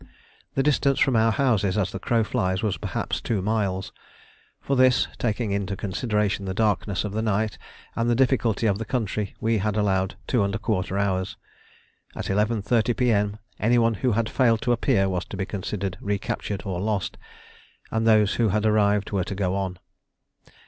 The distance from our houses, as the crow flies, was perhaps two miles. For this, taking into consideration the darkness of the night and the difficulty of the country, we had allowed two and a quarter hours. At 11.30 P.M., any one who had failed to appear was to be considered recaptured or lost, and those who had arrived were to go on.